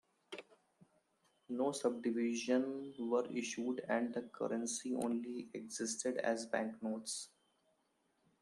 No subdivisions were issued, and the currency only existed as banknotes.